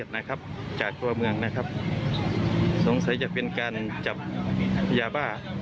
นะครับกำลังจับผู้ต้องหานะครับ